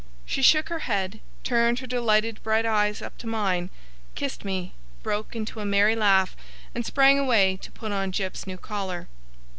She shook her head, turned her delighted bright eyes up to mine, kissed me, broke into a merry laugh, and sprang away to put on Jip's new collar.